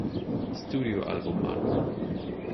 Studio-Album an.